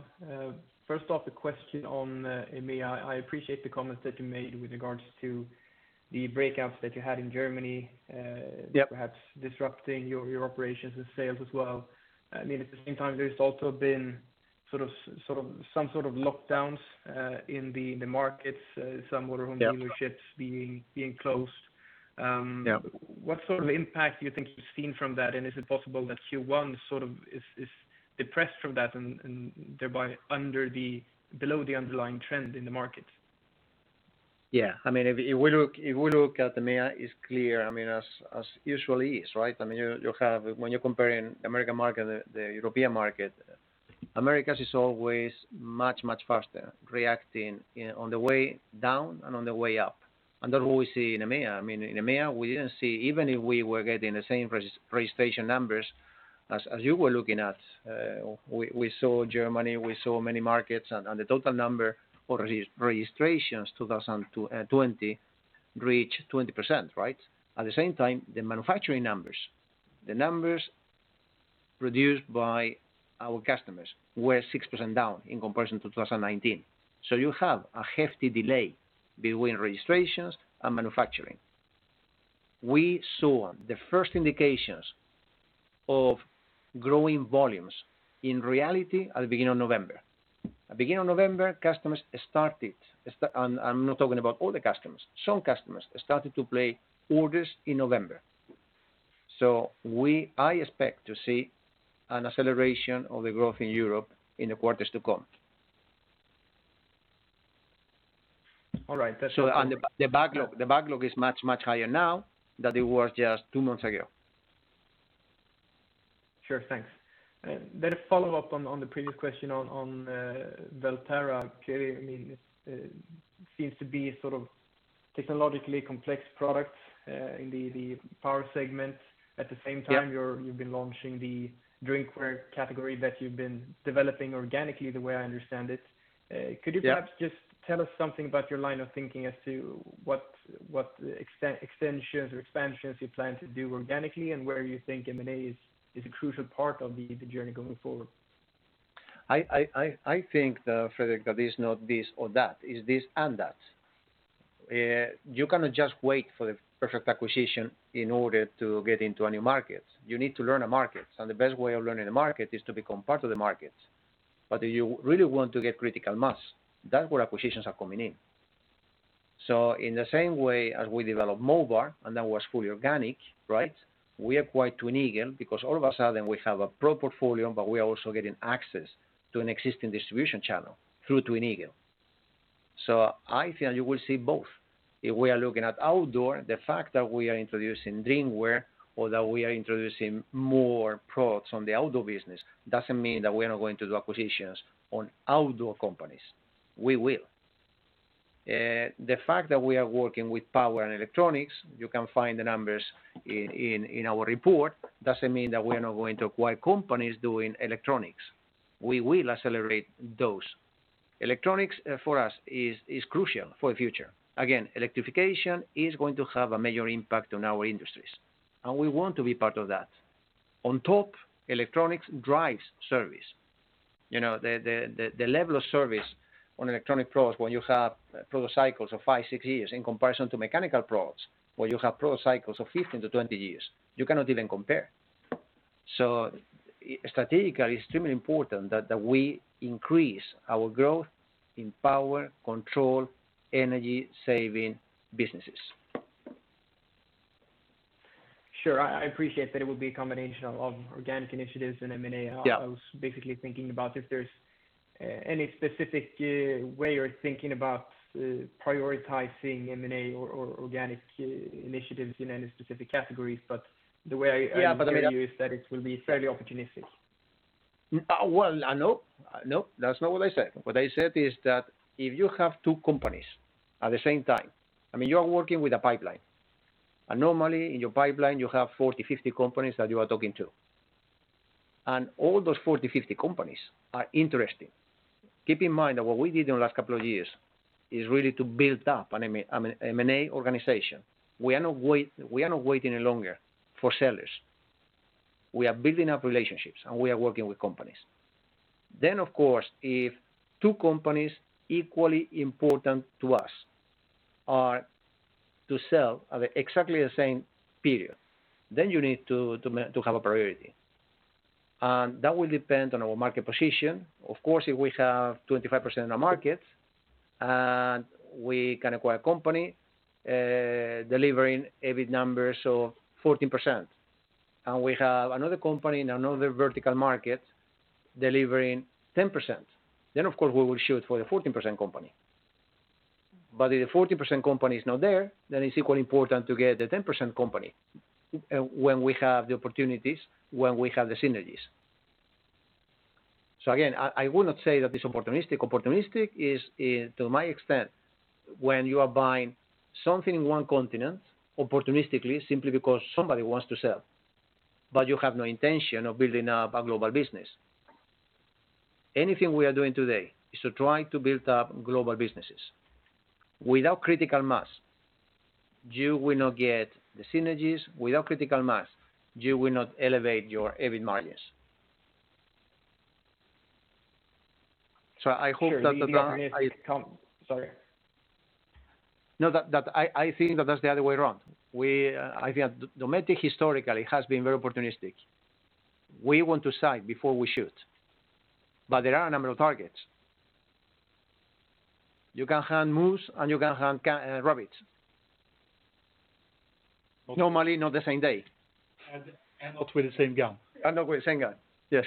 First off, a question on EMEA. I appreciate the comments that you made with regards to the breakouts that you had in Germany- Yeah Perhaps disrupting your operations and sales as well. At the same time, there's also been some sort of lockdowns in the markets, some motor home dealerships being closed. Yeah. What sort of impact do you think you've seen from that, and is it possible that Q1 sort of is depressed from that and thereby below the underlying trend in the market? Yeah. If we look at the EMEA, it's clear as usually is, right? When you're comparing the American market, the European market, Americas is always much, much faster reacting on the way down and on the way up. That's what we see in EMEA. In EMEA, even if we were getting the same registration numbers as you were looking at, we saw Germany, we saw many markets, and the total number for registrations 2020 reached 20%, right? At the same time, the manufacturing numbers, the numbers produced by our customers were 6% down in comparison to 2019. You have a hefty delay between registrations and manufacturing. We saw the first indications of growing volumes in reality at the beginning of November. At beginning of November, customers started, and I'm not talking about all the customers, some customers started to place orders in November. I expect to see an acceleration of the growth in Europe in the quarters to come. All right. That's helpful. The backlog is much, much higher now than it was just two months ago. Sure. Thanks. A follow-up on the previous question on Valterra. Clearly, it seems to be sort of technologically complex products in the power segment. Yeah you've been launching the drinkware category that you've been developing organically, the way I understand it. Yeah. Could you perhaps just tell us something about your line of thinking as to what extensions or expansions you plan to do organically, and where you think M&A is a crucial part of the journey going forward? I think, Fredrik, that it's not this or that. It's this and that. You cannot just wait for the perfect acquisition in order to get into a new market. You need to learn a market, and the best way of learning a market is to become part of the market. You really want to get critical mass. That's where acquisitions are coming in. In the same way as we developed MoBar, and that was fully organic, right? We acquired Twin Eagles because all of a sudden we have a pro portfolio, but we are also getting access to an existing distribution channel through Twin Eagles. I feel you will see both. If we are looking at outdoor, the fact that we are introducing drinkware or that we are introducing more products on the outdoor business doesn't mean that we are not going to do acquisitions on outdoor companies. We will. The fact that we are working with power and electronics, you can find the numbers in our report, doesn't mean that we are not going to acquire companies doing electronics. We will accelerate those. Electronics for us is crucial for the future. Again, electrification is going to have a major impact on our industries, and we want to be part of that. On top, electronics drives service. The level of service on electronic products when you have product cycles of five, six years in comparison to mechanical products, where you have product cycles of 15 to 20 years, you cannot even compare. Strategically, it's extremely important that we increase our growth in power, control, energy-saving businesses. Sure. I appreciate that it would be a combination of organic initiatives and M&A. Yeah. I was basically thinking about if there's any specific way you're thinking about prioritizing M&A or organic initiatives in any specific categories. Yeah. understand you is that it will be fairly opportunistic. Well, no. That's not what I said. What I said is that if you have two companies at the same time, you are working with a pipeline. Normally in your pipeline, you have 40, 50 companies that you are talking to. All those 40, 50 companies are interesting. Keep in mind that what we did in the last couple of years is really to build up an M&A organization. We are not waiting any longer for sellers. We are building up relationships, and we are working with companies. Of course, if two companies equally important to us are to sell at exactly the same period, then you need to have a priority. That will depend on our market position. Of course, if we have 25% in the market and we can acquire a company delivering EBIT numbers of 14%, and we have another company in another vertical market delivering 10%, then of course we will shoot for the 14% company. But if the 14% company is not there, then it's equally important to get the 10% company when we have the opportunities, when we have the synergies. Again, I would not say that it's opportunistic. Opportunistic is to my extent, when you are buying something in one continent opportunistically simply because somebody wants to sell, but you have no intention of building up a global business. Anything we are doing today is to try to build up global businesses. Without critical mass, you will not get the synergies. Without critical mass, you will not elevate your EBIT margins. Sure. The organic Sorry. No. I think that that's the other way around. Dometic historically has been very opportunistic. We want to sight before we shoot, but there are a number of targets. You can hunt moose, and you can hunt rabbits. Normally not the same day. Not with the same gun. Not with the same gun. Yes.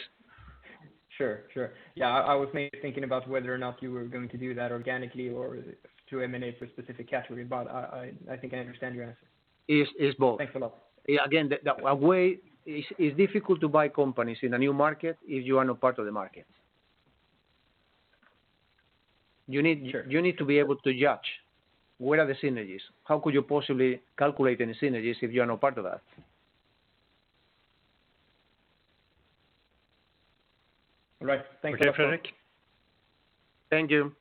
Sure. Yeah, I was mainly thinking about whether or not you were going to do that organically or through M&A for a specific category, but I think I understand your answer. It's both. Thanks a lot. Again, it's difficult to buy companies in a new market if you are not part of the market. Sure. You need to be able to judge what are the synergies. How could you possibly calculate any synergies if you are not part of that? All right. Thank you. Okay, Fredrik? Thank you.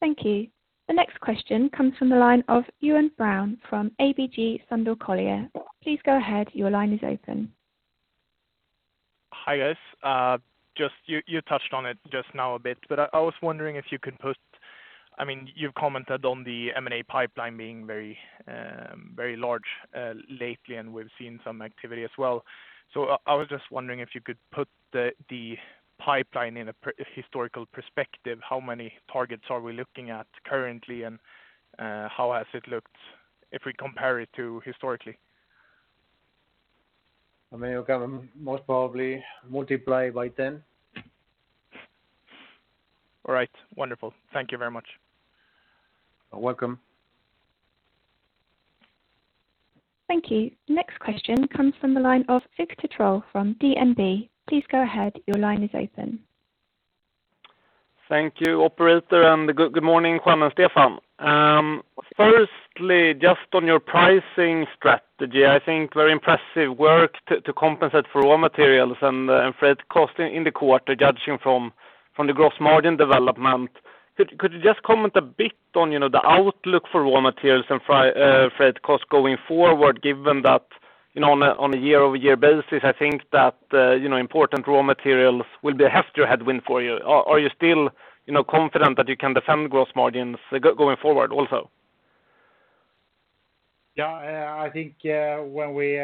Thank you. The next question comes from the line of Johan Brown from ABG Sundal Collier. Please go ahead, your line is open. Hi, guys. You touched on it just now a bit, but I was wondering if you could put, you've commented on the M&A pipeline being very large lately, and we've seen some activity as well. I was just wondering if you could put the pipeline in a historical perspective. How many targets are we looking at currently, and how has it looked if we compare it to historically? You can most probably multiply by 10. All right. Wonderful. Thank you very much. You're welcome. Thank you. The next question comes from the line of Viktor Trollsten from DNB. Please go ahead, your line is open. Thank you, operator. Good morning, Juan and Stefan. Firstly, just on your pricing strategy, I think very impressive work to compensate for raw materials and freight cost in the quarter, judging from the gross margin development. Could you just comment a bit on the outlook for raw materials and freight cost going forward, given that on a year-over-year basis, I think that important raw materials will be a heftier headwind for you. Are you still confident that you can defend gross margins going forward also? Yeah. I think when we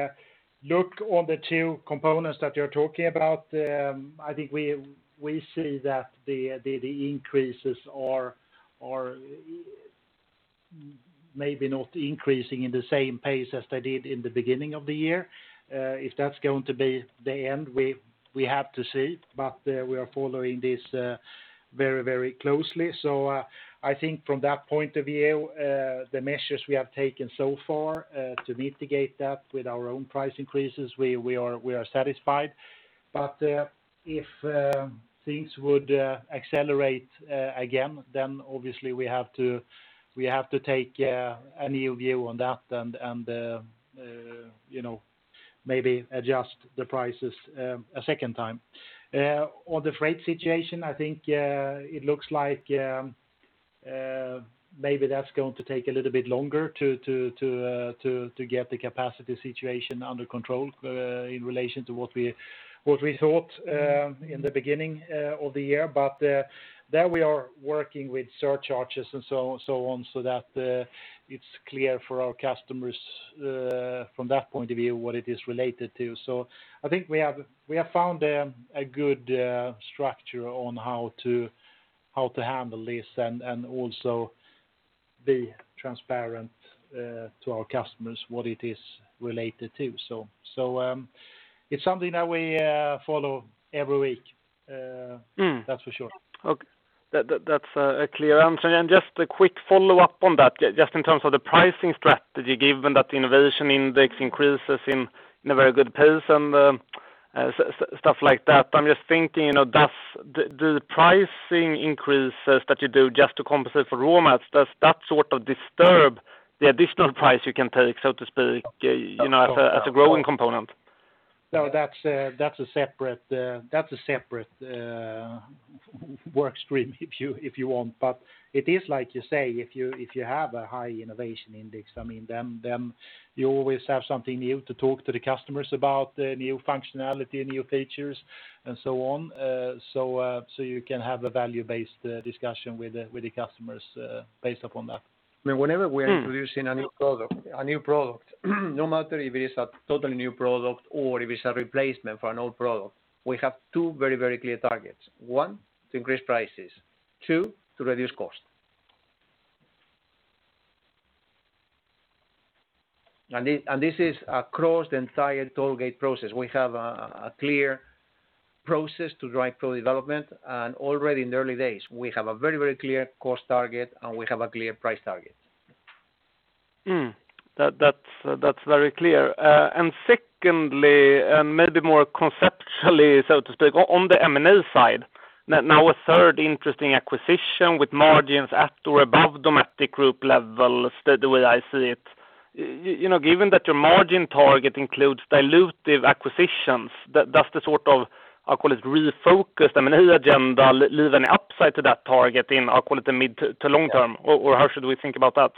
look on the two components that you're talking about, I think we see that the increases are maybe not increasing in the same pace as they did in the beginning of the year. If that's going to be the end, we have to see, but we are following this very closely. I think from that point of view, the measures we have taken so far to mitigate that with our own price increases, we are satisfied. If things would accelerate again, then obviously we have to take a new view on that and maybe adjust the prices a second time. On the freight situation, I think it looks like maybe that's going to take a little bit longer to get the capacity situation under control in relation to what we thought in the beginning of the year. There we are working with surcharges and so on, so that it is clear for our customers from that point of view, what it is related to. I think we have found a good structure on how to handle this and also be transparent to our customers what it is related to. It is something that we follow every week. That's for sure. Okay. That's a clear answer. Just a quick follow-up on that, just in terms of the pricing strategy, given that Innovation Index increases in a very good pace and stuff like that. I'm just thinking, does the pricing increases that you do just to compensate for raw mats, does that sort of disturb the additional price you can take, so to speak, as a growing component? No, that's a separate work stream if you want, but it is like you say, if you have a high innovation index, I mean, then you always have something new to talk to the customers about, new functionality, new features and so on. You can have a value-based discussion with the customers based upon that. Whenever we're introducing a new product, no matter if it is a totally new product or if it's a replacement for an old product, we have two very clear targets. One, to increase prices. Two, to reduce cost. This is across the entire target process. We have a clear process to drive product development, and already in the early days, we have a very clear cost target, and we have a clear price target. That's very clear. Secondly, maybe more conceptually, so to speak, on the M&A side. Now, a third interesting acquisition with margins at or above Dometic Group level, the way I see it. Given that your margin target includes dilutive acquisitions, does the sort of, I'll call it refocused M&A agenda, leave any upside to that target in, I'll call it the mid to long term? How should we think about that?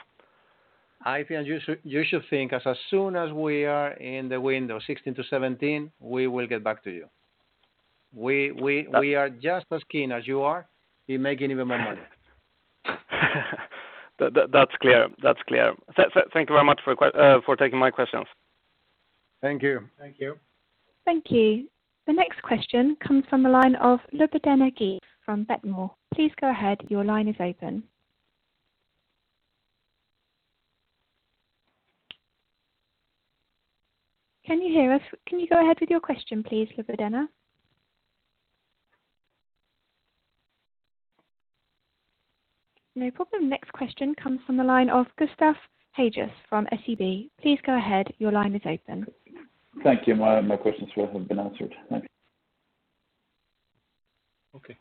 I think you should think as soon as we are in the window 2016-2017, we will get back to you. We are just as keen as you are in making even more money. That's clear. Thank you very much for taking my questions. Thank you. Thank you. Thank you. The next question comes from the line of [Luka Trnovsek] from Berenberg please go ahead your line is open. Can you hear us? Can you go ahead with your question, please, Luka? No problem. Next question comes from the line of Gustav Hagéus from SEB. Thank you. My questions have been answered. Thanks. Okay.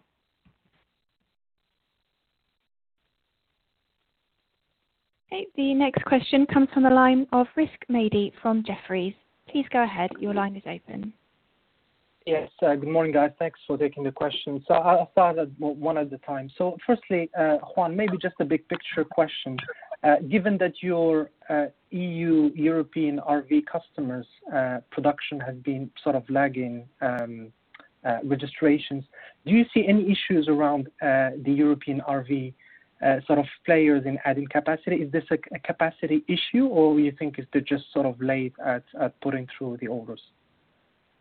Okay, the next question comes from the line of Rizk Maidi from Jefferies. Please go ahead. Your line is open. Yes. Good morning, guys. Thanks for taking the question. I'll start with one at the time. Firstly, Juan, maybe just a big picture question. Given that your EU European RV customers' production has been sort of lagging registrations, do you see any issues around the European RV sort of players in adding capacity? Is this a capacity issue, or you think is they're just sort of late at putting through the orders?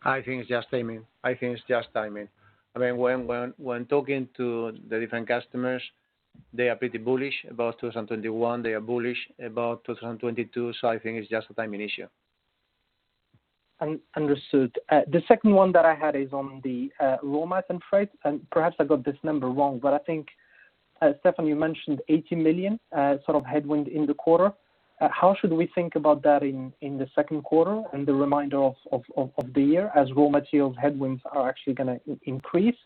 I think it's just timing. I mean, when talking to the different customers, they are pretty bullish about 2021. They are bullish about 2022. I think it's just a timing issue. Understood. The second one that I had is on the raw mats and freight. Perhaps I got this number wrong, but I think, Stefan, you mentioned 80 million headwind in the quarter. How should we think about that in the second quarter and the remainder of the year as raw materials headwinds are actually going to increase?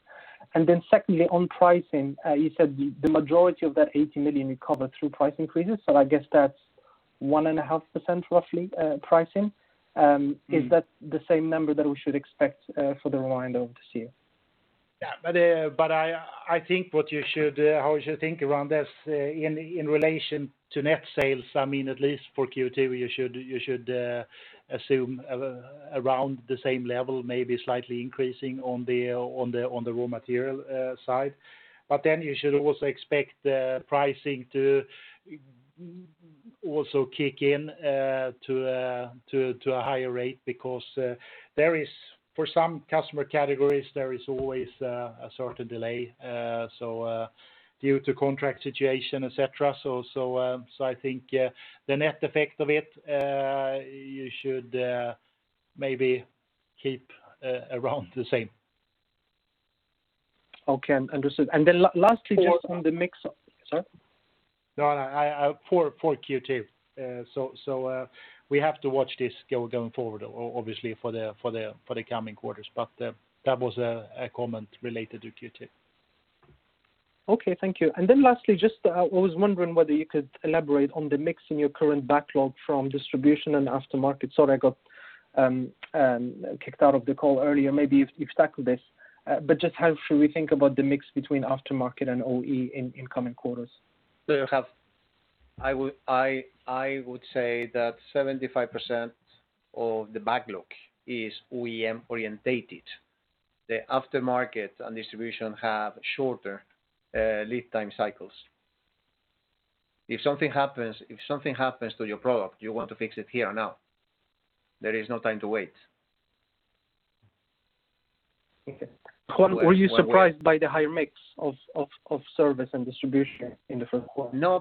Secondly, on pricing, you said the majority of that 80 million you cover through price increases. I guess that's 1.5% roughly, pricing. Is that the same number that we should expect for the remainder of this year? How you should think around this in relation to net sales, I mean, at least for Q2, you should assume around the same level, maybe slightly increasing on the raw material side. You should also expect the pricing to also kick in to a higher rate because for some customer categories, there is always a certain delay, so due to contract situation, et cetera. I think, the net effect of it you should maybe keep around the same. Okay, understood. Lastly, just on the mix Sorry? No. For Q2. We have to watch this going forward, obviously, for the coming quarters. That was a comment related to Q2. Okay, thank you. Lastly, I was wondering whether you could elaborate on the mix in your current backlog from distribution and aftermarket. Sorry, I got kicked out of the call earlier. Maybe you've tackled this. Just how should we think about the mix between aftermarket and OE in coming quarters? I would say that 75% of the backlog is OEM-orientated. The aftermarket and distribution have shorter lead time cycles. If something happens to your product, you want to fix it here and now. There is no time to wait. Okay. Juan, were you surprised by the higher mix of service and distribution in the third quarter?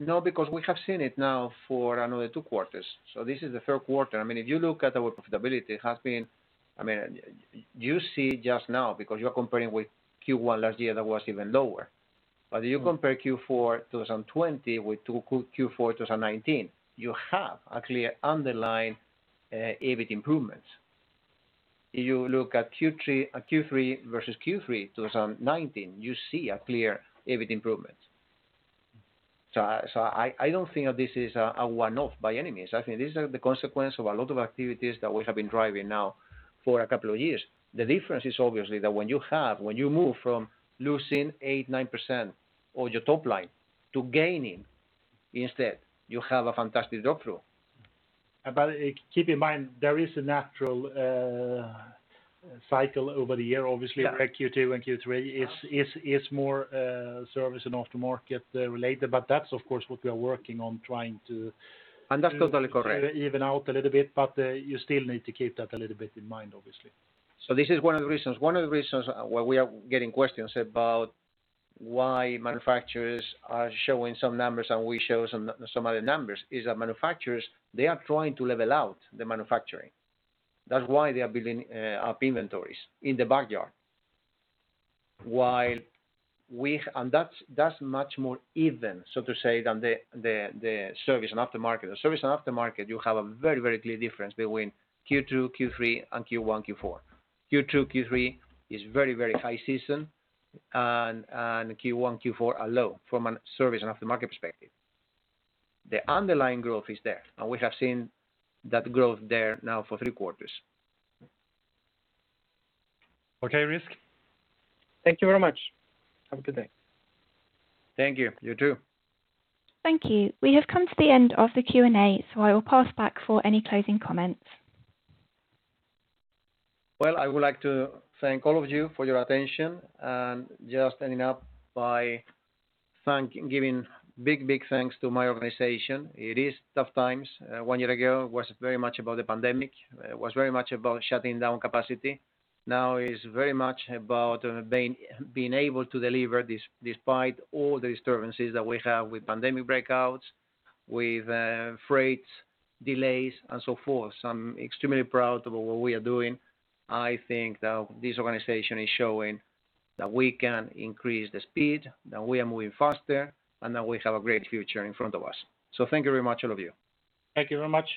We have seen it now for another two quarters. This is the third quarter. If you look at our profitability, you see just now because you're comparing with Q1 last year, that was even lower. You compare Q4 2020 with Q4 2019, you have a clear underlying EBIT improvement. You look at Q3 versus Q3 2019, you see a clear EBIT improvement. I don't think that this is a one-off by any means. I think this is the consequence of a lot of activities that we have been driving now for a couple of years. The difference is obviously that when you move from losing 8%, 9% or your top line to gaining instead, you have a fantastic drop-through. Keep in mind, there is a natural cycle over the year, obviously. Yeah Q2 and Q3 is more service and aftermarket related, but that's of course what we are working on. That's totally correct. Even out a little bit, but you still need to keep that a little bit in mind, obviously. This is one of the reasons why we are getting questions about why manufacturers are showing some numbers and we show some other numbers, is that manufacturers, they are trying to level out the manufacturing. That's why they are building up inventories in the backyard. That's much more even, so to say, than the service and aftermarket. The service and aftermarket, you have a very clear difference between Q2, Q3, and Q1, Q4. Q2, Q3 is very high season, and Q1, Q4 are low from a service and aftermarket perspective. The underlying growth is there, and we have seen that growth there now for three quarters. Okay, Rizk. Thank you very much. Have a good day. Thank you. You too. Thank you. We have come to the end of the Q&A, so I will pass back for any closing comments. Well, I would like to thank all of you for your attention and just ending up by giving big thanks to my organization. It is tough times. One year ago, it was very much about the pandemic. It was very much about shutting down capacity. Now it's very much about being able to deliver despite all the disturbances that we have with pandemic breakouts, with freight delays, and so forth. I'm extremely proud about what we are doing. I think that this organization is showing that we can increase the speed, that we are moving faster, and that we have a great future in front of us. Thank you very much, all of you. Thank you very much.